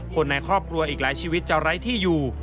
คนในครอบครัวอีกหลายชีวิตจะไร้ที่อยู่